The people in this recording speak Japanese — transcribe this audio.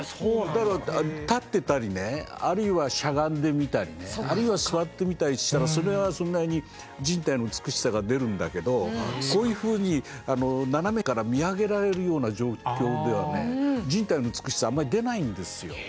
だから立ってたりねあるいはしゃがんでみたりねあるいは座ってみたりしたらそれはそれなりに人体の美しさが出るんだけどそういうふうに斜めから見上げられるような状況ではね人体の美しさはあまり出ないんですよ。